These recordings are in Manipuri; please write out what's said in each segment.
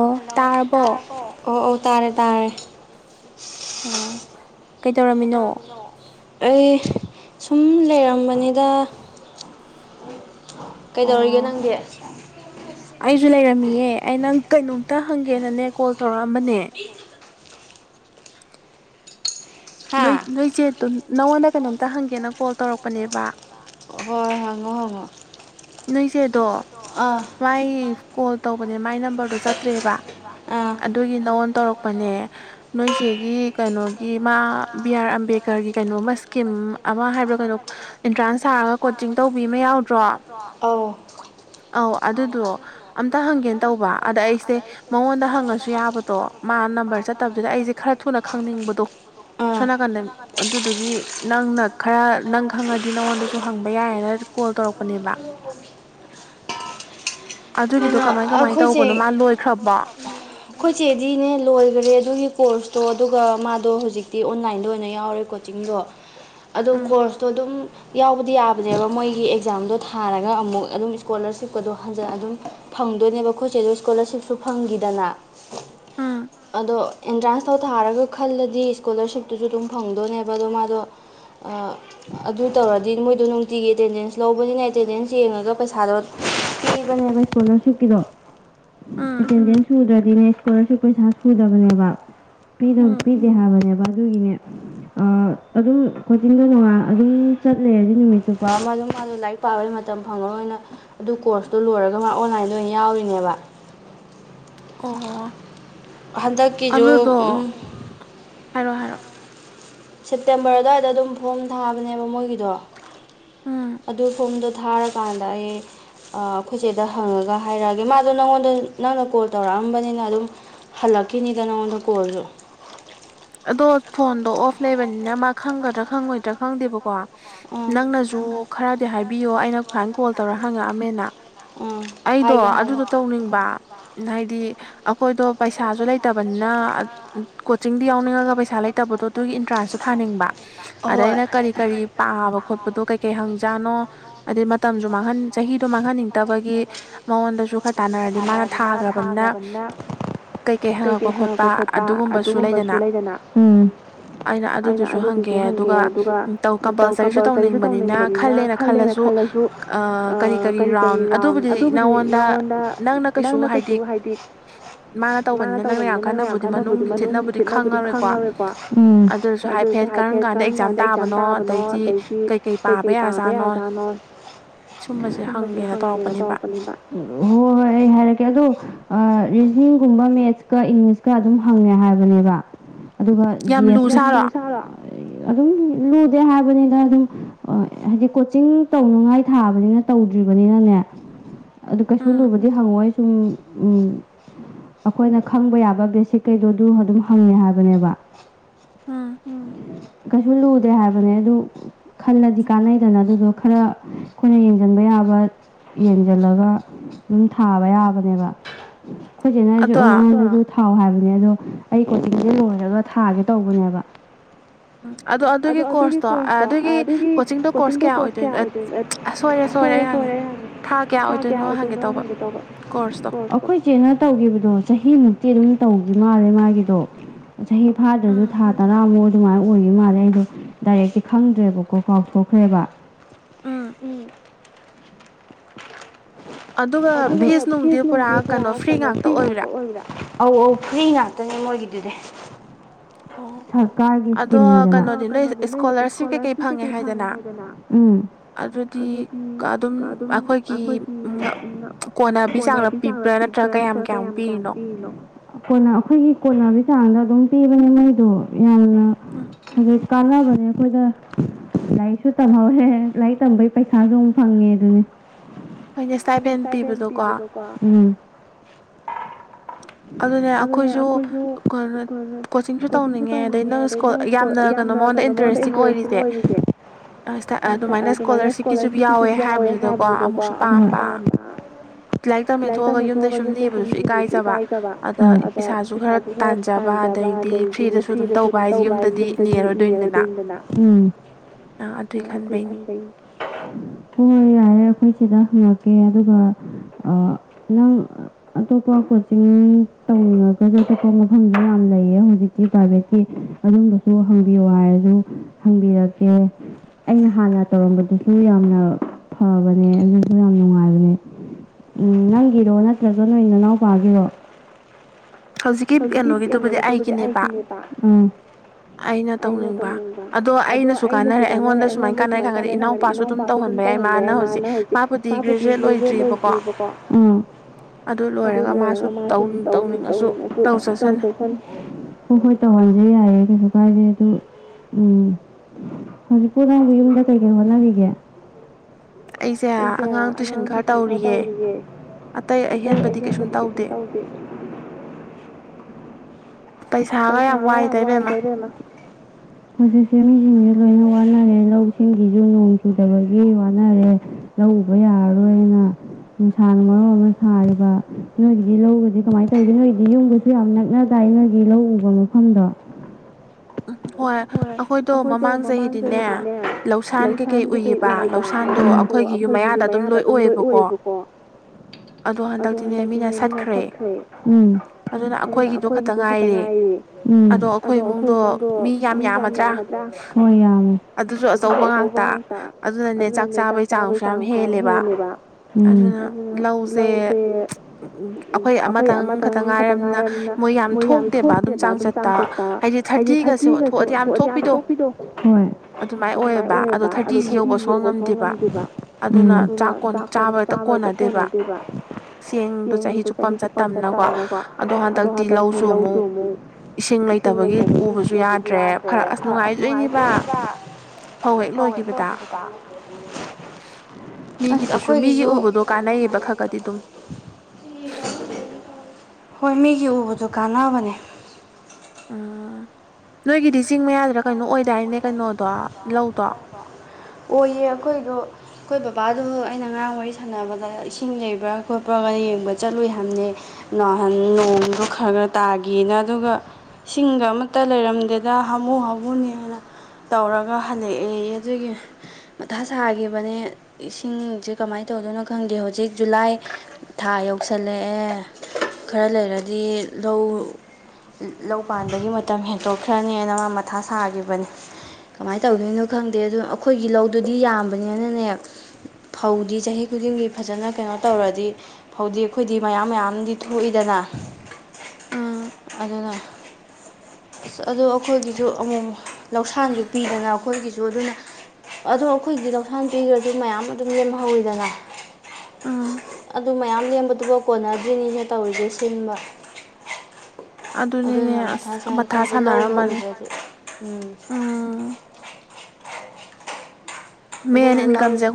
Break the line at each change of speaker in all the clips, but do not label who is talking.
ꯑ ꯇꯥꯔꯔꯕꯣ
ꯑꯣ ꯑꯣꯧ ꯇꯥꯔꯦ ꯇꯥꯔꯦ
ꯑꯣ
ꯀꯩꯗꯧꯔꯝꯃꯤꯅꯣ ꯑꯩ ꯁꯨꯝ ꯂꯩꯔꯝꯕꯅꯤꯗ ꯀꯩꯗꯧꯔꯤꯒꯦ ꯅꯪꯗꯤ
ꯑꯩꯁꯨ ꯂꯩꯔꯝꯃꯤꯌꯦ ꯑꯩ ꯅꯪ ꯀꯩꯅꯣꯝꯇ ꯍꯪꯒꯦꯅꯅꯦ ꯀꯣꯜ ꯇꯧꯔꯛꯑꯝꯕꯅꯦ
[unintelligible]
ꯅꯣꯏ ꯅꯣꯏꯁꯦ ꯑꯗꯨꯝ ꯅꯪꯉꯣꯟꯗ ꯀꯩꯅꯣꯝꯇ ꯍꯪꯒꯦꯅ ꯀꯣꯜ ꯇꯧꯔꯛꯄꯅꯦꯕ
ꯍꯣꯏ ꯍꯉꯣ ꯍꯉꯣ
ꯅꯣꯏꯁꯦꯗꯣ ꯃꯥꯏ ꯀꯣꯜ ꯇꯧꯕꯅꯦ ꯃꯥꯏ ꯅꯝꯕꯔꯗꯣ ꯆꯠꯇ꯭ꯔꯦꯕ ꯑꯗꯨꯒꯤ ꯅꯉꯣꯟ ꯇꯧꯔꯛꯄꯅꯦ ꯅꯣꯏꯁꯤꯦꯒꯤ ꯀꯩꯅꯣꯒꯤ ꯃꯥ ꯕꯤ ꯑꯥꯔ ꯑꯝꯕꯦꯗ ꯏꯁꯀꯔꯒꯤ ꯀꯩꯅꯣꯝꯃ ꯁ꯭ꯀꯤꯝ ꯑꯃ ꯍꯥꯏꯕ꯭ꯔꯥ ꯀꯩꯅꯣ ꯑꯦꯟꯇ꯭ꯔꯥꯟꯁ ꯊꯥꯔꯒ ꯀꯣꯆꯤꯡ ꯇꯧꯕꯤ ꯑꯃ ꯌꯥꯎꯗ꯭ꯔꯣ
ꯑ
ꯑꯧ ꯑꯗꯨꯗꯣ ꯑꯝꯇ ꯍꯪꯒꯦꯅ ꯇꯧꯕ ꯑꯗ ꯑꯩꯁꯦ ꯃꯉꯣꯟꯗ ꯍꯪꯉꯁꯨ ꯌꯥꯕꯗꯣ ꯃꯥ ꯅꯝꯕꯔ ꯆꯠꯇꯕꯗꯨꯗ ꯑꯩꯁꯦ ꯈꯔ ꯊꯨꯅ ꯈꯪꯅꯤꯡꯕꯗꯣ ꯁꯣ ꯅꯥꯀꯟꯗ ꯑꯗꯨꯗꯨꯒꯤ ꯅꯪꯅ ꯈꯔ ꯅꯪ ꯈꯪꯉꯗꯤ ꯅꯪꯉꯣꯟꯗꯁꯨ ꯍꯪꯕ ꯌꯥꯏꯌꯦꯅ ꯀꯣꯜ ꯇꯧꯔꯛꯄꯅꯦꯕ
[unintelligible]
ꯑꯗꯨꯒꯤꯗꯣ ꯀꯃꯥꯏ ꯀꯃꯥꯏ ꯇꯧꯕꯅꯣ ꯃꯥ ꯂꯣꯏꯈ꯭ꯔꯕ
ꯑꯩꯈꯣꯏꯁꯦꯗꯤꯅꯦ ꯂꯣꯏꯈꯔꯦ ꯑꯗꯨꯒꯤ ꯀꯣꯔꯁꯇꯣ ꯑꯗꯨꯒ ꯃꯥꯗꯣ ꯍꯧꯖꯤꯛꯇꯤ ꯑꯣꯟꯂꯥꯏꯟꯗ ꯑꯣꯏꯅ ꯌꯥꯎꯔꯦ ꯀꯣꯆꯤꯡꯗꯣ ꯑꯗꯨꯗ ꯀꯣꯔꯁꯇꯣ ꯑꯗꯨꯝ ꯌꯥꯎꯕꯗꯤ ꯌꯥꯕꯅꯦꯕ ꯃꯣꯏꯒꯤ ꯑꯦꯛꯖꯥꯝꯗꯣ ꯊꯥꯔꯒ ꯑꯃꯨꯛ ꯑꯗꯨꯝ ꯏꯁꯀꯣꯂꯥꯔꯁꯤꯞꯀꯗꯣ ꯍꯟꯖ ꯑꯗꯨꯝ ꯐꯪꯗꯣꯏꯅꯦꯕ ꯈꯣꯠꯆꯦ ꯑꯗꯨ ꯏꯁꯀꯣꯂꯔꯁꯤꯞꯁꯨ ꯐꯪꯈꯤꯗꯅ ꯑꯗꯣ ꯑꯦꯟꯇ꯭ꯔꯥꯟꯁ ꯇꯧ ꯊꯥꯔꯒ ꯈꯜꯂꯗꯤ ꯏꯁꯀꯣꯂꯥꯔꯁꯤꯞꯇꯨꯁꯨ ꯑꯗꯨꯝ ꯐꯪꯗꯣꯏꯅꯦꯕ ꯋꯥꯗꯃꯗꯣ ꯑꯗꯨ ꯇꯧꯔꯗꯤ ꯃꯣꯏꯗꯣ ꯅꯨꯡꯇꯤꯒꯤ ꯑꯦꯇꯦꯟꯗꯦꯟꯁ ꯂꯧꯕꯅꯤꯅ ꯑꯦꯇꯦꯟꯗꯦꯟꯁ ꯌꯦꯡꯉꯒ ꯄꯩꯁꯥꯗꯣ ꯄꯤꯕꯅꯦ ꯏꯁꯀꯣꯂꯔꯁꯤꯞ ꯀꯤꯗꯣ ꯑꯦꯇꯦꯟꯗꯦꯟꯁ ꯁꯨꯗ꯭ꯔꯗꯤꯅꯦ ꯏꯁꯀꯣꯂꯔꯁꯤꯞ ꯄꯩꯁꯥ ꯁꯨꯗꯕꯅꯦꯕ ꯍꯥꯏꯕꯅꯦꯕ ꯑꯗꯨꯒꯤꯅꯦ ꯑꯗꯨꯝ ꯈꯣꯆꯤꯟꯗꯣ ꯅꯨꯡꯉꯥ ꯑꯗꯨꯝ ꯆꯠꯂꯦ ꯍꯥꯏꯗꯤ ꯅꯨꯃꯤꯠꯇꯨꯀ ꯂ ꯄꯥꯕꯩ ꯃꯇꯝ ꯐꯪꯉꯔ ꯑꯣꯏꯅ ꯑꯗꯨ ꯀꯣꯔꯁꯇꯨ ꯂꯣꯏꯔꯒ ꯃꯥ ꯑꯣꯟꯂꯥꯏꯟꯗ ꯑꯣꯏꯅ ꯌꯥꯎꯔꯤꯅꯦꯕ
ꯑꯣ ꯑꯗꯨꯗꯣ ꯍꯥꯏꯔꯣꯑꯣ ꯍꯥꯏꯔꯛꯑꯣ
ꯁꯦꯞꯇꯦꯝꯕꯔ ꯑꯗꯨꯋꯥꯏꯗ ꯑꯗꯨꯝ ꯐꯣꯝ ꯊꯥꯕꯅꯦꯕ ꯃꯣꯏꯒꯤꯗꯣ ꯑꯗꯨ ꯐꯣꯝꯗꯣ ꯊꯥꯔ ꯄꯥꯟꯗ ꯑꯦ ꯑꯩꯈꯣꯏꯁꯦꯗ ꯍꯪꯉꯒ ꯍꯥꯏꯔꯛꯑꯒꯦ ꯃꯥꯗꯣ ꯅꯪꯉꯣꯟꯗ ꯅꯪꯅ ꯀꯣꯜ ꯇꯧꯔꯛꯑꯝꯕꯅꯤꯅ ꯑꯗꯨꯝ ꯍꯜꯂꯛꯀꯤꯅꯤꯗꯅ ꯑꯣ ꯀꯣꯜꯁꯨ
ꯑꯗꯣ ꯐꯣꯟꯗꯣ ꯑꯣꯐ ꯂꯩꯕꯅꯤꯅ ꯃꯥ ꯈꯪꯒꯗ꯭ꯔꯥ ꯈꯪꯉꯣꯏꯗ꯭ꯔꯥ ꯈꯪꯗꯦꯕꯀꯣ ꯅꯪꯅꯁꯨ ꯈꯔꯗꯤ ꯍꯥꯏꯕꯤꯌꯣ ꯑꯩꯅ ꯈꯃꯥꯏꯅ ꯀꯣꯜ ꯇꯧꯔ ꯍꯪꯉꯛꯑꯝꯃꯦꯅ ꯑꯩꯗꯣ ꯑꯗꯨꯗꯣ ꯇꯧꯅꯤꯡꯕ ꯍꯥꯏꯗꯤ ꯑꯩꯈꯣꯏꯗꯣ ꯄꯩꯁꯥꯁꯨ ꯂꯩꯇꯕꯅꯤꯅ ꯀꯣꯆꯤꯡ ꯌꯥꯎꯅꯤꯡꯉꯒ ꯄꯩꯁꯥ ꯂꯩꯇꯕꯗꯣ ꯑꯗꯨꯒꯤ ꯏꯟꯇ꯭ꯔꯥꯟꯁꯇꯣ ꯊꯥꯅꯤꯡꯕ ꯑꯗ ꯑꯩꯅ ꯀꯔꯤ ꯀꯔꯤ ꯄꯥꯕ ꯈꯣꯠꯄꯗꯣ ꯀꯩꯀꯩ ꯍꯪꯖꯥꯠꯅꯣ ꯑꯗꯩ ꯃꯇꯝꯁꯨ ꯃꯥꯡꯍꯟ ꯆꯍꯤꯗꯣ ꯃꯥꯡꯍꯟꯅꯤꯡꯗꯕꯒꯤ ꯃꯉꯣꯟꯗꯁꯨ ꯈꯔ ꯇꯥꯟꯅꯔꯗꯤ ꯃꯥꯅ ꯊꯥꯈ꯭ꯔꯕꯅꯤꯅ
ꯀꯩꯀꯩ ꯍꯪꯉꯛꯄ ꯈꯣꯠꯄ ꯑꯗꯨꯒꯨꯝꯕꯁꯨ ꯂꯩꯗꯅ ꯑꯩꯅ ꯑꯗꯨꯒꯤꯁꯨ ꯍꯪꯒꯦ ꯑꯗꯨꯒ ꯀꯝꯄꯜꯁꯔꯤꯁꯨ ꯇꯧꯅꯤꯡꯕꯅꯤꯅ ꯈꯜꯂꯦꯅ ꯈꯜꯂꯁꯨ ꯁꯨ ꯀꯔꯤ ꯀꯔꯤ ꯔꯥꯎꯟ ꯑꯗꯨꯕꯨꯗꯤ ꯅꯪꯉꯣꯟꯗ ꯅꯪꯅ ꯀꯩꯁꯨ ꯍꯥꯏꯗꯤ ꯏ ꯃꯥꯅ ꯇꯧꯕꯅꯤꯅ ꯅꯪꯅ ꯌꯥꯝ ꯀꯟꯅꯕꯨꯗꯤ ꯃꯅꯨꯡꯒꯤ ꯅꯕꯨꯗꯤ ꯈꯪꯉꯔꯦꯀꯣ ꯑꯗꯨꯁꯨ ꯍꯥꯏꯐꯦ ꯀꯔꯝ ꯀꯥꯟꯗ ꯑꯦꯛꯖꯥꯝ ꯇꯥꯕꯅꯣ ꯑꯗꯒꯤ ꯀꯩꯀꯩ ꯄꯥꯕ ꯌꯥꯖꯥꯠꯅꯣ ꯁꯨꯝꯕꯁꯦ ꯍꯪꯒꯦꯅ ꯇꯧꯔꯛꯄꯅꯤꯕ ꯍꯣꯏ ꯍꯣꯏ ꯑꯩ ꯍꯥꯏꯔꯛꯀꯦ ꯑꯗꯣꯔꯤꯖꯅꯤꯡ ꯨꯒꯨꯝꯕ ꯃꯦꯠꯁꯀ ꯏꯪꯂꯤꯁꯀ ꯑꯗꯨꯝ ꯍꯪꯉꯦ ꯍꯥꯏꯕꯅꯦꯕ ꯑꯗꯨꯒ ꯖꯤ ꯑꯦꯁ ꯌꯥꯝ ꯂꯨ ꯆꯥꯠꯂꯣ ꯑꯗꯨꯝ ꯂꯨꯗꯦ ꯍꯥꯏꯕꯅꯤꯅ ꯑꯗꯨꯝ ꯍꯥꯏꯗꯤ ꯀꯣꯆꯤꯡ ꯇꯧꯅꯉꯥꯏ ꯊꯥꯕꯅꯤꯅ ꯇꯧꯗ꯭ꯔꯤꯕꯅꯤꯅꯅꯦ ꯑꯗꯨ ꯀꯩꯁꯨ ꯂꯨꯕꯗꯤ ꯍꯪꯉꯣꯏ ꯁꯨꯝ ꯑꯩꯈꯣꯏꯅ ꯈꯪꯕ ꯌꯥꯕ ꯕꯦꯁꯤꯛ ꯀꯩꯗꯣ ꯑꯗꯨ ꯑꯗꯨꯝ ꯍꯪꯉꯦ ꯍꯥꯏꯕꯅꯦꯕ ꯀꯩꯁꯨ ꯂꯨꯗꯦ ꯍꯥꯏꯕꯅꯦ ꯑꯗꯨ ꯈꯜꯂꯗꯤ ꯀꯥꯟꯅꯩꯗꯅ ꯑꯗꯨꯗꯣ ꯈꯔ ꯑꯩꯈꯣꯏꯅ ꯌꯦꯡꯁꯤꯟꯕ ꯌꯥꯕ ꯌꯦꯡꯁꯤꯜꯂꯒ ꯑꯗꯨꯝ ꯊꯥꯕ ꯌꯥꯕꯅꯦꯕ ꯑꯩꯈꯣꯏꯁꯦꯅꯁꯨ ꯊꯥꯎ ꯍꯥꯏꯕꯅꯦ ꯑꯗꯣ ꯑꯩ ꯀꯣꯆꯤꯡꯁꯦ ꯂꯣꯏꯔꯒ ꯊꯥꯒꯦ ꯇꯧꯕꯅꯦꯕ
ꯎꯝ ꯑꯗꯣ ꯑꯗꯨꯒꯤ ꯀꯣꯔꯁꯇꯣ ꯑꯗꯨꯒꯤ ꯀꯣꯆꯤꯡꯗꯣ ꯀꯣꯔꯁ ꯀꯌꯥ ꯑꯣꯏꯗꯣꯏꯅꯣ ꯑꯁ ꯁꯣꯏꯔꯦ ꯁꯣꯏꯔꯦ ꯍꯪꯉꯤ ꯊꯥ ꯀꯌꯥ ꯑꯣꯏꯗꯣꯏꯅꯣ ꯍꯪꯒꯦ ꯇꯧꯕ ꯀꯣꯔꯁꯇꯣ
ꯆꯦꯅ ꯇꯧꯈꯤꯕꯗꯣ ꯆꯍꯤꯃꯨꯛꯇꯤ ꯑꯗꯨꯝ ꯇꯧꯈꯤ ꯃꯥꯜꯂꯦ ꯃꯥꯒꯤꯗꯣ ꯆꯍꯤ ꯐꯥꯗ꯭ꯔꯁꯨ ꯊꯥ ꯇꯔꯥꯃꯨꯛ ꯑꯗꯨꯃꯥꯏꯅ ꯑꯣꯏꯈꯤ ꯃꯥꯜꯂꯦ ꯑꯩꯗꯣ ꯗꯥꯏꯔꯦꯛꯇꯤ ꯈꯪꯗ꯭ꯔꯦꯕꯀꯣ ꯀꯥꯎꯊꯣꯛꯈ꯭ꯔꯦꯕ ꯎꯝ ꯑꯗꯨ ꯐꯤꯁꯅꯨꯡꯗꯤ ꯄꯨꯔ ꯍꯥꯏ ꯆꯅ ꯐ꯭ꯔꯤ ꯉꯥꯛꯇ ꯑꯣꯏꯒꯔꯥ ꯑꯧ ꯑꯧ ꯐ꯭ꯔꯤ ꯉꯥꯛꯇꯅꯦ ꯃꯣꯏꯒꯤꯗꯨꯗꯤ ꯁꯔꯀꯥꯔꯒꯤ ꯏꯁꯝꯩꯅꯣ ꯏꯁꯀꯣꯂꯔꯁꯤꯞ ꯀꯩ ꯀꯩ ꯐꯪꯉꯦ ꯍꯥꯏꯗꯅ ꯎꯝ ꯑꯗꯨꯒꯤ ꯑꯗꯨꯝ ꯑꯩꯈꯣꯏꯒꯤ ꯀꯣꯟꯅꯕꯤ ꯆꯥꯡꯅ ꯄꯤꯕ ꯅꯣ ꯑꯩꯈꯣꯏꯒꯤ ꯀꯣꯟꯅꯒꯤ ꯆꯥꯡꯗ ꯑꯗꯨꯝ ꯄꯤꯕꯅꯦ ꯃꯩꯗꯣ ꯌꯥꯝꯅ ꯍꯧꯩ ꯀꯥꯟꯅꯕꯅꯦ ꯑꯩꯈꯣꯏꯗ ꯂꯥꯏꯔꯤꯛꯁꯨ ꯇꯝꯍꯧꯔꯦ ꯂꯥꯏꯔꯤꯛ ꯇꯝꯕꯒꯤ ꯄꯩꯁꯥꯁꯨ ꯑꯃꯨ ꯐꯪꯉꯦ ꯑꯗꯨꯅꯦ ꯇꯥꯏꯗ ꯄꯤꯗꯨꯗꯀꯣ ꯑꯗꯨꯅꯦ ꯑꯩꯈꯣꯏꯁꯨ ꯀꯣꯆꯤꯡꯁꯨ ꯇꯧꯅꯤꯡꯉꯦ ꯑꯗꯩ ꯅꯪꯀ ꯌꯥꯝꯅ ꯀꯩꯅꯣ ꯃꯉꯣꯟꯗ ꯏꯟꯇꯔꯦꯁꯇꯤꯡ ꯑꯣꯏꯔꯤꯁꯦ ꯑꯗꯨꯃꯥꯏꯅ ꯏꯁꯀꯣꯂꯥꯔꯁꯤꯞꯀꯤ ꯑꯗꯨꯝ ꯌꯥꯎꯋꯦ ꯍꯥꯏꯕꯗꯨꯗꯀꯣ ꯑꯃꯨꯛ ꯄꯥꯝꯕ ꯂꯥꯏꯇꯅꯦ ꯊꯁꯣꯏꯁꯤ ꯀꯥꯏ ꯑꯣꯏꯖꯕ ꯑꯗ ꯄꯩꯁꯥꯁꯨ ꯈꯔ ꯇꯥꯟꯖꯕ ꯑꯗꯩꯗꯤ ꯐꯤꯗꯁꯨ ꯑꯗꯨꯝ ꯇꯧꯕ ꯍꯥꯏꯗꯤ ꯌꯨꯝ ꯗꯗꯤ ꯌꯦꯉꯗꯣꯏꯅꯤꯗꯅ ꯑ ꯑꯗꯨꯒꯤ ꯈꯪ ꯀꯩꯅꯤ ꯍꯣꯏꯣꯏ ꯌꯥꯔꯦ ꯑꯩꯈꯣꯏ ꯁꯤꯗ ꯍꯪꯉꯛꯀꯦ ꯑꯗꯨꯒ ꯅꯪ ꯑꯇꯣꯞꯄ ꯀꯣꯆꯤꯡ ꯇꯧꯅꯤꯡꯉꯒꯁꯨ ꯑꯇꯣꯞꯄ ꯃꯐꯝꯗ ꯌꯥꯝ ꯂꯩꯌꯦ ꯍꯧꯖꯤꯛꯇꯤ ꯄ꯭ꯔꯥꯏꯚꯦꯠꯀꯤ ꯑꯗꯨꯝꯕꯁꯨ ꯍꯪꯕꯤꯌꯨ ꯍꯥꯏꯔꯁꯨ ꯍꯪꯕꯤꯔꯛꯀꯦ ꯑꯩꯅ ꯍꯥꯟꯅ ꯇꯧꯔꯝꯕꯗꯨꯁꯨ ꯌꯥꯝꯅ ꯐꯕꯅꯦ ꯑꯗꯨꯁꯨ ꯌꯥꯝ ꯅꯨꯡꯉꯥꯏꯕꯅꯦ ꯎꯝ ꯅꯪꯒꯤꯔꯣ ꯅꯠꯇ꯭ꯔꯒ ꯅꯣꯏ ꯏꯅꯥꯎꯄꯥꯒꯤꯔꯣ ꯄꯣꯖꯤꯇꯤꯚ ꯑꯦꯃꯣꯔꯤꯗꯨꯕꯨꯗꯤ ꯑꯩꯒꯤꯅꯦꯕ ꯑꯩꯅ ꯇꯧꯅꯤꯡꯕ ꯑꯗꯣ ꯑꯩꯅꯁꯨ ꯀꯥꯟꯅꯔꯦ ꯑꯩꯉꯣꯟꯗ ꯁꯨꯃꯥꯏꯅ ꯀꯥꯟꯅꯔꯦ ꯈꯪꯅꯔꯦ ꯏꯅꯥꯎꯄꯥ ꯑꯗꯨ ꯇꯧꯍꯟꯕ ꯌꯥꯏ ꯃꯥꯅ ꯍꯧꯖꯤꯛ ꯃꯥꯕꯨꯗꯤ ꯦ ꯑꯣꯏꯗ꯭ꯔꯤꯕꯀꯣ ꯎ ꯑꯗꯨ ꯂꯣꯏꯔꯒ ꯃꯥꯁꯨ ꯇꯧꯔꯤ ꯇꯧꯅꯤꯅ ꯑꯗꯨ ꯇꯧ ꯆꯁꯅꯤ ꯍꯣꯏ ꯍꯣꯏ ꯇꯧꯍꯟꯁꯦ ꯌꯥꯏꯌꯦꯦ ꯀꯩꯁꯨ ꯀꯥꯏꯗꯦ ꯑꯗꯨ ꯎꯝ ꯍꯧꯖꯤꯛ ꯄꯨꯔꯥꯡꯒꯤ ꯌꯨꯝꯗ ꯀꯩꯀꯩ ꯍꯣꯅꯕꯤꯒꯦ ꯑꯩꯁꯦ ꯑꯉꯥꯡꯗꯤ ꯁꯨꯡ ꯈꯔ ꯇꯧꯔꯤꯌꯦ ꯑꯇꯩ ꯑꯍꯡꯕꯗꯤ ꯈꯤꯇꯪ ꯇꯧꯗꯦ ꯄꯩꯁꯥꯒ ꯌꯥꯝ ꯋꯥꯏꯗ ꯏꯕꯦꯝꯃꯥ ꯍꯧꯖꯤꯛꯁꯦ ꯃꯤꯁꯤꯡꯁꯦ ꯂꯣꯏꯅ ꯋꯥꯅꯔꯦ ꯂꯧ ꯁꯤꯡꯒꯤꯁꯨ ꯅꯣꯡ ꯆꯨꯗꯕꯒꯤ ꯋꯥꯅꯔꯦ ꯂꯧ ꯎꯕ ꯌꯥꯔꯔꯣꯏꯅ ꯅꯨꯡꯁꯥꯅ ꯃꯔꯣꯟ ꯑꯃ ꯊꯔꯤꯕ ꯅꯣꯏꯗꯒꯤ ꯂꯧꯒꯗꯤ ꯀꯃꯥꯏꯅ ꯇꯧꯒꯦ ꯅꯣꯏꯗꯤ ꯌꯨꯝꯒꯁꯨ ꯌꯥꯝ ꯅꯛꯅꯗꯥꯥꯏ ꯅꯣꯏꯒꯤ ꯂꯧ ꯎꯕ ꯍꯟꯗ
[unintelligible] ꯎꯝ ꯍꯣꯏ ꯑꯩꯈꯣꯏꯗꯣ ꯃꯃꯥꯡ ꯆꯍꯤꯗꯤꯅꯦ ꯂꯧꯁꯥꯟ ꯀꯩꯀꯩ ꯎꯏꯕ ꯂꯧꯁꯥꯟꯗꯣ ꯑꯩꯈꯣꯏꯒꯤ ꯌꯨꯝ ꯃꯌꯥꯗ ꯑꯗꯨꯝ ꯂꯣꯏ ꯑꯣꯏꯑꯕꯀꯣ
ꯑꯗꯣ ꯍꯟꯗꯛꯇꯤꯅꯦꯅꯤꯅ ꯐꯠꯈ꯭ꯔꯦ ꯎꯝ ꯑꯗꯨꯅ ꯑꯩꯈꯣꯏꯒꯤꯗꯣ ꯈꯛꯇ ꯉꯥꯏꯔꯤ ꯑꯗꯣ ꯑꯩꯈꯣꯏ ꯏꯃꯨꯡꯗꯣ ꯑꯣ ꯌꯥꯝ ꯌꯥꯝꯃꯗ꯭ꯔꯥ ꯍꯣꯏ ꯌꯥꯝꯃꯦ
ꯑꯗꯨꯁꯨ ꯑꯆꯧꯕ ꯉꯥꯛꯇ ꯑꯗꯨꯅꯅꯦ ꯆꯥꯛ ꯆꯥꯕꯩ ꯆꯥꯡꯁꯨ ꯌꯥꯝ ꯍꯦꯜꯂꯦꯕ ꯑꯗꯨꯅ ꯂꯧꯁꯦ
ꯐ ꯎ ꯑꯩꯈꯣꯏ ꯑꯃꯇꯪ ꯈꯛꯇꯪ ꯉꯥꯏꯅꯤꯅ ꯃꯣꯏ ꯌꯥꯝ ꯊꯣꯛꯇꯦꯕ ꯑꯗꯨꯝ ꯆꯥꯡꯄꯠꯇ ꯍꯥꯏꯗꯤ ꯊꯥꯔꯇꯤꯒꯁꯨ ꯌꯥꯝ ꯇꯣꯛꯄꯤꯗꯣ ꯍꯣꯏ ꯑꯗꯨꯃꯥꯏꯅ ꯑꯣꯏꯌꯦꯕ ꯑꯗꯨ ꯐꯖꯤ ꯌꯧꯕꯁꯨ ꯉꯝꯗꯦꯕ ꯑꯗꯨꯅꯥꯛ ꯀꯣꯟ ꯇꯥꯕꯛꯇ ꯀꯣꯟꯅꯗꯣꯏꯕ
ꯆꯦꯡꯗꯣ ꯆꯍꯤ ꯆꯨꯞꯄ ꯑꯃ ꯆꯠꯇꯕꯅꯀꯣ ꯑꯗꯣ ꯍꯟꯗꯛꯇꯤ ꯂꯧꯁꯨ ꯑꯃꯨꯛ ꯏꯁꯤꯡ ꯂꯩꯇꯕꯒꯤ
ꯃꯤ ꯎꯕꯁꯨ ꯌꯥꯗ꯭ꯔꯦ ꯑꯁ ꯅꯨꯡꯉꯥꯏꯇ꯭ꯔꯦ ꯐꯣꯡꯒꯠ ꯂꯣꯏꯒꯤꯗ
ꯃꯤꯒꯤꯗꯨꯁꯨ ꯃꯤꯒꯤ ꯎꯕꯗꯣ ꯀꯥꯟꯅꯩꯌꯦꯕ ꯈꯔꯀꯗꯤ ꯑꯗꯨꯝ
ꯍꯣꯏ ꯃꯤꯒꯤ ꯎꯕꯗꯣ ꯀꯥꯟꯅꯕꯅꯦ
ꯎ ꯅꯣꯏꯒꯤꯗꯤ ꯆꯤꯡ ꯃꯌꯥꯗ꯭ꯔꯥ ꯀꯩꯅꯣ ꯑꯣꯏꯗꯥꯏꯅꯦ ꯀꯩꯅꯣꯗꯣ ꯂꯧꯗꯣ
ꯑꯣꯏꯌꯦ ꯑꯩꯈꯣꯏꯗꯣ ꯑꯩꯈꯣꯏ ꯕꯕꯥꯗꯣ ꯑꯩꯅ ꯉꯔꯥꯡ ꯋꯥꯔꯤ ꯁꯥꯟꯅꯕꯗ ꯏꯁꯤꯡ ꯌꯕ꯭ꯔꯥ ꯈꯣꯠꯄ꯭ꯔꯥꯒ ꯌꯦꯡꯕ ꯆꯠꯂꯨꯏ ꯍꯥꯏꯅꯦ ꯅꯍꯥꯟ ꯅꯣꯡꯗ ꯈꯔ ꯈꯔ ꯇꯥꯒꯤꯅ ꯑꯗꯨꯒ ꯏꯁꯤꯡꯒ ꯑꯃꯠꯇ ꯂꯩꯔꯝꯗꯦꯗ ꯍꯥꯃꯨ ꯍꯥꯃꯨꯅꯤ ꯍꯥꯏꯅ ꯇꯧꯔꯒ ꯍꯜꯂꯛꯑꯦ ꯑꯗꯨꯒꯤ ꯃꯊꯥ ꯁꯥꯈꯤꯕꯅꯦ ꯏꯁꯤꯡꯁꯦ ꯀꯃꯥꯏꯅ ꯇꯧꯗꯣꯏꯅꯣ ꯈꯪꯗꯦ ꯍꯧꯖꯤꯛ ꯖꯨꯂꯥꯏ ꯊꯥ ꯌꯧꯁꯜꯂꯛꯑꯦ ꯈꯔ ꯂꯩꯔꯗꯤ ꯂꯧ ꯂ ꯂꯧ ꯄꯥꯟꯕꯒꯤ ꯃꯇꯝ ꯍꯦꯟꯛꯇꯣꯛꯈ꯭ꯔꯅꯤꯅ ꯃꯥ ꯃꯊꯥ ꯁꯥꯔꯤꯕꯅꯤ ꯀꯃꯥꯏꯅ ꯇꯧꯗꯣꯏꯅꯣ ꯈꯪꯗꯦ ꯑꯗꯨ ꯑꯩꯈꯣꯏꯒꯤ ꯂꯧꯗꯨꯗꯤ ꯌꯥꯝꯕꯅꯤꯅꯅꯦ ꯐꯧꯗꯤ ꯆꯍꯤ ꯈꯨꯗꯤꯡꯒꯤ ꯐꯖꯅ ꯀꯩꯅꯣ ꯇꯧꯔꯗꯤ ꯐꯥꯎꯗꯤ ꯑꯩꯈꯣꯏꯗꯤ ꯃꯌꯥꯝ ꯃꯌꯥꯝꯗꯤ ꯊꯣꯛꯏꯗꯅ ꯑꯗꯨꯅ ꯑꯁ ꯑꯗꯣ ꯑꯩꯈꯣꯏꯒꯤꯁꯨ ꯑꯃꯨꯛ ꯃꯨꯛ ꯂꯧꯁꯥꯟꯁꯨ ꯄꯤꯗꯅ ꯑꯩꯈꯣꯏꯒꯤꯁꯨ ꯑꯗꯨꯅ ꯑꯗꯣ ꯑꯩꯈꯣꯏꯒꯤꯗꯤ ꯂꯧꯁꯥꯟ ꯄꯤꯈ꯭ꯔꯁꯨ ꯃꯌꯥꯝ ꯑꯗꯨꯝ ꯂꯦꯝꯍꯧꯋꯤꯗꯅ ꯑꯗꯨ ꯃꯌꯥꯝ ꯂꯦꯝꯕꯗꯨꯕꯣꯛ ꯀꯣꯟꯅꯗ꯭ꯔꯤꯅꯤꯅ ꯇꯧꯔꯤꯁꯦ ꯁꯤꯟꯕ ꯑꯗꯨꯅ ꯃꯊꯥ ꯁ꯭ꯋꯥꯥꯏ ꯇꯧꯔꯤꯁꯦ ꯂꯧꯗꯣ ꯎꯗ꯭ꯔꯗꯤ ꯎꯝ ꯑꯗꯨꯅ ꯂꯥꯎꯖꯦ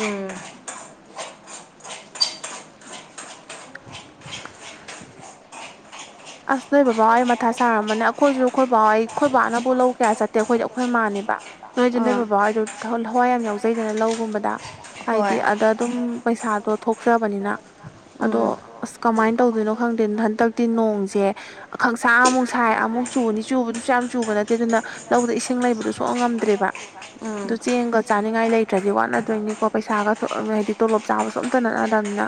ꯎꯝ
ꯑꯁ ꯅꯣꯏ ꯕꯕꯥ ꯑꯩ ꯃꯊꯥ ꯁꯥꯔꯝꯝꯕꯅꯦ ꯑꯩꯈꯣꯏꯁꯨ ꯑꯩꯈꯣꯏ ꯕꯥꯎ ꯑꯩꯈꯣꯏ ꯕꯥꯅꯕꯨ ꯂꯧ ꯀꯌꯥ ꯆꯠꯇꯦ ꯑꯩꯈꯣꯏꯗꯤ ꯑꯩꯈꯣꯏ ꯃꯥꯅꯦꯕ ꯅꯣꯏꯗ ꯅꯣꯏ ꯕꯕꯥꯣꯏꯗꯣ ꯍꯋꯥꯏ ꯌꯥꯝ ꯌꯥꯎꯖꯩꯗꯅ ꯂꯧꯒꯨꯝꯕꯗ ꯍꯥꯏꯗꯤ ꯑꯗ ꯑꯗꯨꯝ ꯄꯩꯁꯥꯗꯣ ꯊꯣꯛꯆꯕꯅꯤꯅ ꯑꯗꯣ ꯑꯁ ꯀꯃꯥꯏꯅ ꯇꯧꯗꯣꯏꯅꯣ ꯈꯪꯗꯦ ꯍꯟꯗꯛꯇꯤ ꯅꯣꯡꯁꯦ ꯈꯪꯁꯥ ꯑꯃꯨꯛ ꯁꯥꯏ ꯑꯃꯨꯛ ꯆꯨꯅꯤ ꯆꯨꯕꯗꯨꯁꯨ ꯌꯥꯝ ꯆꯨꯕ ꯅꯠꯇꯦ ꯑꯗꯨꯅ ꯂꯧꯗ ꯏꯁꯤꯡ ꯂꯩꯕꯗꯨ ꯁꯨꯉꯝ ꯉꯝꯗ꯭ꯔꯦꯕ ꯑꯗꯨ ꯆꯦꯡꯒ ꯆꯥꯅꯤꯡꯉꯥꯏ ꯂꯩꯇ꯭ꯔꯗꯤ ꯋꯥꯠꯅꯗꯣꯏꯅꯤꯀꯣ ꯄꯩꯁꯥꯒ ꯍꯥꯏꯗꯤ ꯇꯣꯂꯣꯞ ꯆꯥꯕꯁꯨ ꯑꯝꯇ ꯅꯠꯅꯗꯕꯅꯤꯅ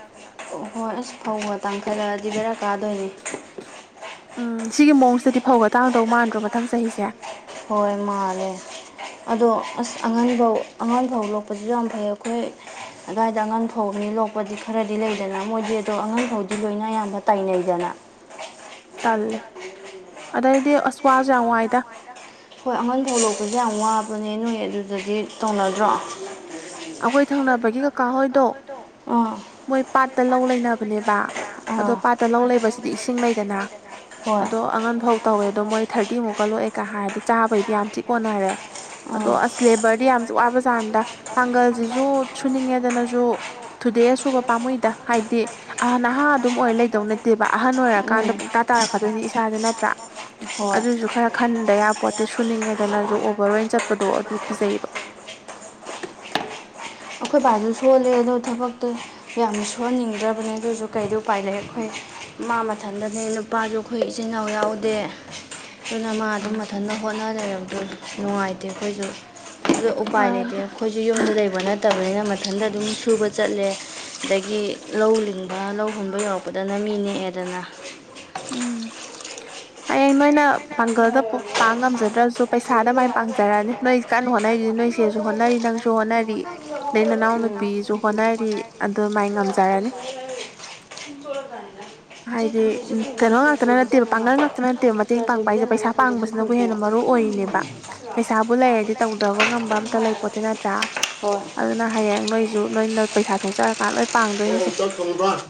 ꯍꯣꯏ ꯑꯁ ꯐꯧꯒ ꯇꯥꯡꯈꯠꯂꯛꯑꯗꯤ ꯕꯦꯔꯥ ꯀꯥꯗꯣꯏꯅꯦ
ꯎꯝ ꯁꯤꯒꯤ ꯃꯑꯣꯡꯁꯤꯗꯗꯤ ꯐꯧꯒ ꯇꯥꯡꯗꯧ ꯃꯥꯟꯗ꯭ꯔꯣ ꯃꯊꯪ ꯆꯍꯤꯁꯦ
ꯍꯣꯏ ꯃꯥꯂꯦ ꯑꯗꯣ ꯑꯁ ꯑꯉꯟ ꯐꯧ ꯑꯉꯥꯡ ꯐꯧ ꯂꯣꯛꯄꯁꯤꯁꯨ ꯌꯥꯝ ꯐꯩ ꯑꯩꯈꯣꯏ ꯑꯗꯥꯏꯗ ꯑꯉꯥꯡ ꯐꯧꯅꯤ ꯂꯣꯛꯄꯗꯤ ꯈꯔꯗꯤ ꯂꯩꯗꯅ ꯃꯣꯏꯗꯤ ꯑꯗꯣ ꯑꯉꯥꯡ ꯐꯥꯎꯗꯤ ꯂꯣꯏꯅ ꯌꯥꯝꯅ ꯇꯥꯏꯅꯩꯗꯅ
ꯇꯜꯂꯦ ꯑꯗꯩꯗꯤ ꯑꯁ ꯋꯥꯖꯨ ꯌꯥꯝ ꯋꯥꯏꯗ
ꯍꯣꯏ ꯑꯉꯟ ꯐꯧ ꯂꯣꯛꯄꯁꯦ ꯌꯥꯝ ꯋꯥꯕꯅꯦ ꯅꯣꯏ ꯑꯗꯨꯗꯗꯤ ꯇꯧꯅꯗ꯭ꯔꯣ ꯑꯩꯈꯣꯏ ꯊꯪꯅꯕꯒꯤ ꯀꯀꯥꯍꯣꯏꯗꯣ ꯑ
ꯃꯣꯏ ꯄꯥꯠꯇ ꯂꯧ ꯂꯩꯅꯕꯅꯦꯕ ꯑꯗꯣ ꯄꯥꯠꯇ ꯂꯧ ꯂꯩꯕꯁꯤꯗꯤ ꯏꯁꯤꯡ ꯂꯩꯗꯅ ꯑꯗꯣ ꯑꯉꯟ ꯐꯧ ꯇꯧꯋꯦ ꯑꯗꯣ ꯃꯣꯏ ꯊꯥꯔꯇꯤꯃꯨꯛꯀ ꯂꯣꯛꯑꯦꯒ ꯍꯥꯏꯗꯣ ꯆꯥꯕꯩꯗꯤ ꯌꯥꯝ ꯊꯤ ꯀꯣꯟꯅꯔꯦ ꯑꯗꯣ ꯑꯁ ꯂꯦꯕꯔꯗꯤ ꯌꯥꯝꯁꯨ ꯋꯥꯕꯖꯥꯠꯅꯤꯗ ꯄꯥꯡꯒꯜꯁꯤꯁꯨ ꯁꯨꯅꯤꯡꯉꯦꯗꯅꯁꯨ ꯊꯨꯗꯦꯍ ꯁꯨꯕ ꯄꯥꯝꯃꯨꯏꯗ ꯍꯥꯏꯗꯤ ꯑꯍ ꯅꯍꯥ ꯑꯗꯨꯝ ꯑꯣꯏꯔ ꯂꯩꯗꯧ ꯅꯠꯇꯦꯕ ꯑꯍꯟ ꯑꯣꯏꯔꯀꯥꯟꯗ ꯄꯨꯡ ꯇꯥ ꯇꯥꯔꯛꯀꯗꯣꯏꯅꯤ ꯏꯁꯥꯥꯁꯦ ꯅꯠꯇ꯭ꯔꯥ ꯑꯗꯨꯏꯁꯨ ꯈꯔ ꯈꯟꯗ ꯌꯥꯄꯣꯟꯇꯦ ꯁꯨꯅꯤꯡꯉꯦꯗꯅꯁꯨ ꯑꯣꯚꯔ ꯑꯣꯚꯔ ꯑꯣꯏ ꯆꯠꯄꯗꯣ ꯑꯗꯨ ꯀꯤꯖꯩꯑꯦꯕ
ꯑꯩꯈꯣꯏ ꯗꯥꯖꯨ ꯁꯣꯜꯂꯦ ꯑꯗꯣ ꯊꯕꯛꯇꯤ ꯌꯥꯝ ꯁꯨꯍꯟꯅꯤꯡꯗ꯭ꯔꯕꯅꯦ ꯑꯗꯣꯏꯁꯨ ꯀꯩꯗꯤ ꯎꯄꯥꯏ ꯂꯩ ꯑꯩꯈꯣꯏ ꯃꯥ ꯃꯊꯟꯗꯅꯦ ꯅꯨꯞ ꯅꯨꯄꯥꯁꯨ ꯑꯩꯈꯣꯏ ꯏꯆꯤꯟ ꯏꯅꯥꯎ ꯌꯥꯎꯗꯦ ꯑꯗꯨꯅ ꯃꯥ ꯑꯗꯨꯝ ꯃꯊꯟꯗ ꯍꯣꯠꯅ ꯂꯩꯔꯝꯗꯣꯏ ꯅꯨꯡꯉꯥꯏꯇꯦ ꯑꯩꯈꯣꯏꯁꯨ ꯑꯗꯨ ꯎꯄꯥꯏ ꯂꯩꯇꯦ ꯑꯩꯈꯣꯏꯁꯨ ꯌꯨꯝꯗ ꯂꯩꯕ ꯅꯠꯇꯕꯅꯤꯅ ꯃꯊꯟꯇ ꯑꯗꯨꯝ ꯁꯨꯕ ꯆꯠꯂꯦ ꯑꯗꯒꯤ ꯂꯧ ꯂꯤꯡꯕ ꯂꯧꯒꯨꯝꯕ ꯌꯧꯔꯛꯄꯗꯅ ꯃꯤ ꯅꯦꯛꯑꯦꯗꯅ
ꯎꯝ ꯍꯌꯦꯡ ꯅꯣꯏꯅ ꯄꯥꯡꯒꯜꯗ ꯄꯨ ꯄꯥꯡ ꯉꯝꯖꯗ꯭ꯔꯁꯨ ꯄꯩꯁꯥꯗ ꯃꯥꯏꯅ ꯄꯥꯡꯖꯔꯅꯤ ꯅꯣꯏ ꯀꯟꯅ ꯍꯣꯠꯅꯔꯤ ꯅꯣꯏ ꯆꯦꯁꯨ ꯍꯣꯠꯅꯔꯤ ꯅꯪꯁꯨ ꯍꯣꯠꯅꯔꯤ꯫ ꯅꯪ ꯅꯅꯥꯎꯅꯨꯄꯤꯁꯨ ꯍꯣꯠꯅꯔꯤ ꯑꯗꯨꯃꯥꯏ ꯉꯝꯖꯔꯅꯤ꯫
ꯆꯦ ꯊꯝꯆꯦꯠꯁꯦ ꯄꯨꯒꯣ
ꯉꯥꯛꯇꯅ ꯅꯠꯇꯦꯕ ꯄꯥꯡꯒꯜ ꯉꯥꯛꯇꯅ ꯅꯠꯇꯦꯕ ꯃꯇꯦꯡ ꯄꯥꯡꯕ ꯍꯥꯏꯁꯦ ꯄꯩꯁꯥ ꯄꯥꯡꯕꯁꯤꯅꯕꯨ ꯍꯦꯟꯅ ꯃꯔꯨ ꯑꯣꯏꯔꯤꯅꯦꯕ ꯄꯩꯁꯥꯕꯨ ꯂꯩꯔꯗꯤ ꯇꯧꯗꯕ ꯉꯝꯕ ꯑꯝꯇ ꯂꯩꯄꯣꯠꯇꯦ ꯅꯠꯇ꯭ꯔꯥ?
ꯍꯣꯏ
ꯑꯗꯨꯅ ꯍꯌꯦꯡ ꯅꯣꯏꯁꯨ ꯅꯣꯏꯅ ꯄꯩꯁꯥ ꯊꯣꯛꯆꯔꯀꯥꯟꯗ ꯂꯣꯏ ꯄꯥꯡꯗꯣꯏꯅꯤꯁꯦ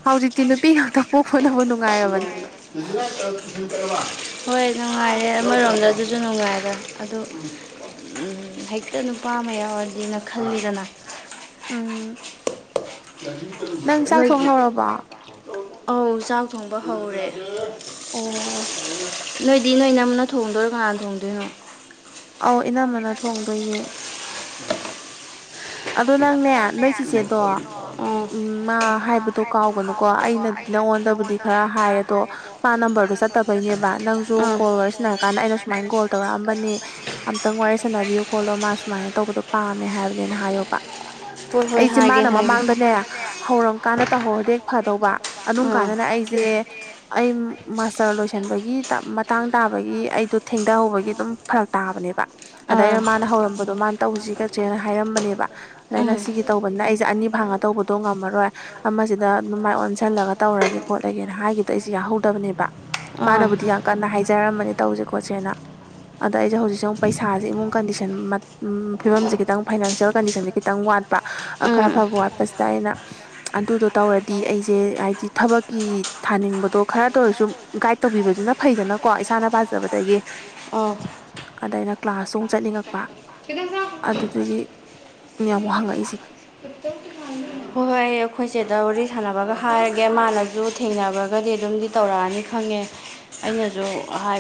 ꯍꯧꯖꯤꯛꯇꯤ ꯅꯨꯄꯤ ꯉꯥꯛꯇ ꯄꯣꯛꯄꯅꯕꯨ ꯅꯨꯡꯉꯥꯏꯔꯕꯅꯤ꯫
ꯍꯣꯏ ꯅꯨꯡꯉꯥꯏꯔꯦ ꯑꯃꯔꯣꯝꯗ ꯑꯗꯨꯁꯨ ꯅꯨꯡꯉꯥꯏꯔꯦ ꯑꯗꯨ ꯍꯦꯛꯇ ꯅꯨꯄꯥ ꯑꯃ ꯌꯥꯎꯔꯗꯤꯅ ꯈꯜꯂꯤꯗꯅ
ꯎꯝ
ꯅꯣꯏꯒꯤ ꯑꯧ ꯆꯥꯛ ꯊꯣꯡꯕ ꯍꯧꯔꯦ
ꯑꯣ
ꯅꯣꯏꯗꯤ ꯅꯣꯏ ꯅꯝꯅ ꯊꯣꯡꯗꯣꯏꯔꯣ ꯀꯅꯥꯅ ꯊꯣꯡꯗꯣꯏꯅꯣ?
ꯑꯧ ꯏꯅꯝꯃꯅ ꯊꯣꯡꯗꯣꯏꯅꯦ꯫ ꯑꯗꯣ ꯅꯪꯅꯦ ꯅꯣꯏ ꯆꯤꯆꯦꯗꯣ ꯎꯝ ꯃꯥ ꯍꯥꯏꯕꯗꯣ ꯀꯥꯎꯒꯅꯨꯀꯣ ꯑꯩꯅ ꯅꯪꯉꯣꯟꯗꯕꯨꯗꯤ ꯈꯔ ꯍꯥꯏ ꯑꯗꯣ ꯄꯥ ꯅꯝꯕꯔꯗꯣ ꯆꯠꯇꯕꯩꯅꯦꯕ ꯅꯪꯁꯨ ꯀꯣꯜ ꯋꯥꯔꯤ ꯁꯥꯟꯅꯔꯀꯥꯟꯗ ꯑꯩꯅ ꯁꯨ ꯁꯨꯃꯥꯏꯅ ꯀꯣꯜ ꯇꯧꯔꯛꯑꯝꯕꯅꯤ ꯑꯝꯇꯪ ꯋꯥꯔꯤ ꯁꯥꯟꯅꯕꯤꯌꯨ ꯈꯣꯠꯂꯣ ꯃꯥ ꯁꯨꯃꯥꯏꯅ ꯇꯧꯕꯗꯣ ꯄꯥꯝꯃꯦ ꯍꯥꯏꯕ ꯅꯦꯅ ꯍꯥꯏꯌꯣꯕ ꯑꯩꯁꯦ ꯃꯥꯅ ꯃꯃꯥꯡꯗꯅꯦ ꯍꯧꯔꯝꯀꯥꯟꯗ ꯇꯧꯍꯧꯔꯗꯤ ꯍꯦꯛ ꯐꯗꯧꯕ ꯑꯗꯨꯝ ꯀꯥꯟꯗꯅ ꯑꯩꯖꯦ ꯑꯩ ꯃ ꯃꯥꯁꯇꯔ ꯂꯣꯏꯁꯟꯕꯒꯤ ꯇꯥ ꯃꯇꯥꯡ ꯇꯥꯕꯒꯤ ꯑꯩꯗꯣ ꯊꯦꯡꯗꯍꯧꯕꯒꯤ ꯑꯗꯨꯝ ꯐꯔꯛ ꯇꯥꯕꯅꯦꯕ ꯑꯗ ꯑꯩꯅ ꯃꯥꯅ ꯍꯧꯔꯝꯕꯗꯣ ꯃꯥꯅ ꯇꯧꯖꯤ ꯈꯠꯁꯤꯅ ꯍꯥꯏꯔꯝꯕꯅꯦꯕ ꯑꯗꯥ ꯑꯩꯅ ꯁꯤꯒꯤ ꯇꯧꯕꯅꯤꯅ ꯑꯩꯁꯦ ꯑꯅꯤ ꯐꯥꯡꯉ ꯇꯧꯕꯗꯣ ꯉꯝꯃꯔꯣꯏ ꯑꯃꯁꯤꯗ ꯑꯗꯨꯝ ꯃꯥꯏ ꯑꯣꯟꯁꯤꯜꯂꯒ ꯇꯧꯔꯒꯦ ꯈꯣꯠꯂꯒꯦꯅ ꯍꯥꯏꯈꯤꯗꯣ ꯑꯩꯁꯨ ꯌꯥꯍꯧꯗꯕꯅꯦꯕꯥ ꯃꯥꯅꯕꯨꯗꯤ ꯌꯥꯝ ꯀꯟꯅ ꯍꯥꯏꯖꯔꯝꯕꯅꯦ ꯇꯧꯁꯦ ꯈꯣꯠꯁꯦꯅ꯫ ꯑꯗ ꯑꯩꯁꯨ ꯍꯧꯖꯤꯛꯁꯨ ꯄꯩꯁꯥꯁꯦ ꯏꯃꯨꯡ ꯀꯟꯗꯤꯁꯟ ꯃꯠ ꯎꯝ ꯐꯤꯕꯝꯁꯦ ꯈꯤꯇꯡ ꯐꯥꯏꯅꯥꯟꯁꯤꯌꯦꯜ ꯀꯟꯗꯤꯁꯟꯁꯦ ꯈꯤꯇꯡ ꯋꯥꯠ ꯄꯥꯥ ꯈꯔ ꯐꯕ ꯋꯥꯠꯄꯁꯤꯗ ꯑꯩꯅ ꯑꯗꯨꯗꯣ ꯇꯧꯔꯗꯤ ꯑꯩꯁꯦ ꯍꯥꯏꯗꯤ ꯊꯕꯛꯀꯤ ꯊꯥꯅꯤꯡꯕꯗꯣ ꯈꯔꯇ ꯑꯣꯏꯔꯁꯨ ꯒꯥꯏꯇ ꯇꯧꯕꯤꯕꯁꯤꯅ ꯐꯩꯗꯥꯅꯀꯣ ꯏꯁꯥꯅ ꯄꯥꯖꯕꯗꯒꯤ꯫
ꯑꯣ
ꯑꯗꯩꯅ ꯀ꯭ꯂꯥꯁ ꯑꯃꯨꯛ ꯆꯠꯅꯤꯡꯉꯛꯄ ꯑꯗꯨꯠ ꯑꯗꯒꯤ ꯃꯌꯥꯝ ꯋꯥꯛ ꯍꯪꯉꯛꯏꯁꯤ꯫
[unintelligible] ꯑꯦ ꯑꯩꯈꯣꯏꯁꯦꯗ ꯋꯥꯔꯤ ꯁꯥꯟꯅꯕꯒ ꯍꯥꯏꯔꯒꯦ ꯃꯥꯅꯁꯨ ꯊꯦꯡꯅꯕꯒꯗꯤ ꯑꯗꯨꯝꯗꯤ ꯇꯧꯔꯛꯑꯅꯤ ꯈꯪꯉꯦ ꯑꯩꯅꯁꯨ ꯍꯥꯏ